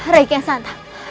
raik yang santai